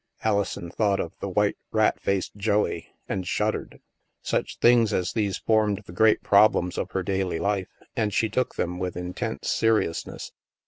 Alison thought of the white rat faced Joey, and shuddered. Such things as these formed the great problems of her daily life, and she took them with intense seriousness.